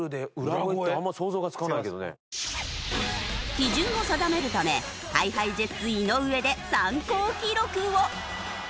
基準を定めるためＨｉＨｉＪｅｔｓ井上で参考記録を。